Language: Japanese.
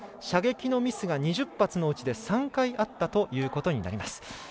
射撃のミスが２０発のうち３回あったということになります。